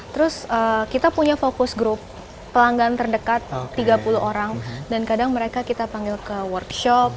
terus kita punya fokus group pelanggan terdekat tiga puluh orang dan kadang mereka kita panggil ke workshop